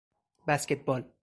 بسکتبال